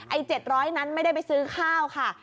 ๗๐๐นั้นไม่ได้ไปซื้อข้าวค่ะ